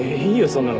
そんなの。